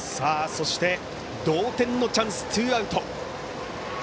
そして、同点のチャンスツーアウト。